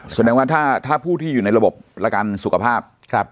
สัญญาณว่าถ้าผู้ที่อยู่ในระบบราการสุขภาพ